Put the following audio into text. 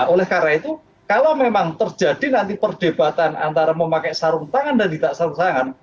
oleh karena itu kalau memang terjadi nanti perdebatan antara memakai sarung tangan dan tidak sarung tangan